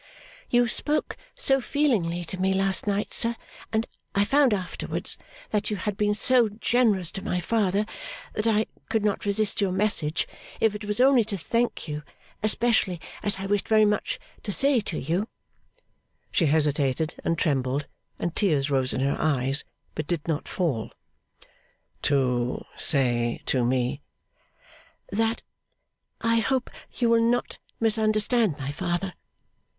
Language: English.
'You spoke so feelingly to me last night, sir, and I found afterwards that you had been so generous to my father, that I could not resist your message, if it was only to thank you; especially as I wished very much to say to you ' she hesitated and trembled, and tears rose in her eyes, but did not fall. 'To say to me ?' 'That I hope you will not misunderstand my father.